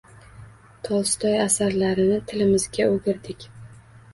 Tolstoy asarlarini tilimizga o’girdik.